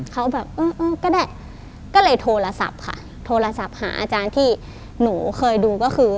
เขาแบบเออเออก็ได้ก็เลยโทรศัพท์ค่ะโทรศัพท์หาอาจารย์ที่หนูเคยดูก็คือ